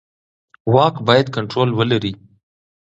واک باید کنټرول ولري